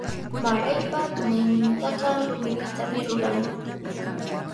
Maraypa tunaynintaqa rumpitami ruran.